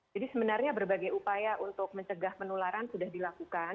jadi sebenarnya berbagai upaya untuk mencegah penularan sudah dilakukan